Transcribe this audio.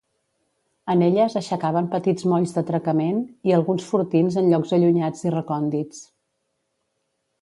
En elles aixecaven petits molls d'atracament i alguns fortins en llocs allunyats i recòndits.